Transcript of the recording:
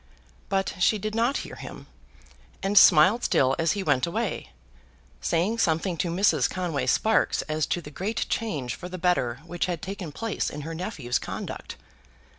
But she did not hear him, and smiled still as he went away, saying something to Mrs. Conway Sparkes as to the great change for the better which had taken place in her nephew's conduct.